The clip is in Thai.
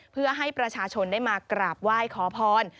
เพื่อให้ประชาชนได้มากราบไหว้ขอพร